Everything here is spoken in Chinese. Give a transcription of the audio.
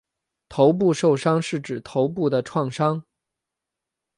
头部受伤是指头部的创伤。